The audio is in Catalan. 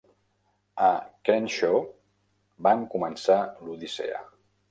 A "Crenshaw" vam començar l'odissea.